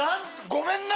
ごめんな！